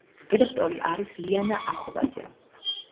რედაქტორი არის ლიანა ახობაძე.